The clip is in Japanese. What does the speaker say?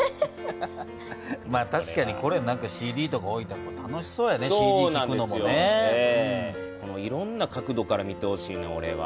まあ確かにこれＣＤとか置いたら楽しそうやねＣＤきくのもね。いろんな角度から見てほしいなおれは。